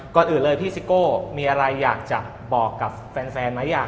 ก่อนอื่นเลยพี่ซิโก้มีอะไรอยากจะบอกกับแฟนไหม